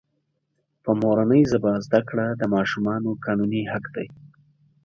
په مورنۍ ژبه زده کړه دماشومانو قانوني حق دی.